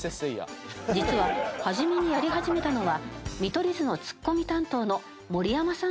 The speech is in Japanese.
実は初めにやり始めたのは見取り図のツッコミ担当の盛山さんだといいます。